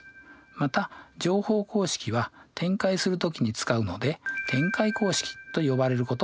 また乗法公式は展開する時に使うので展開公式と呼ばれることもあります。